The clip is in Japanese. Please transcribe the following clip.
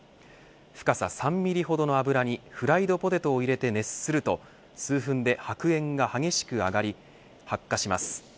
深さ３ミリほどの油にフライドポテトを入れて熱すると数分で白煙が激しく上がり発火します。